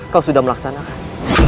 kau sudah melaksanakan